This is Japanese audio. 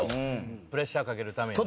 プレッシャーかけるためにね。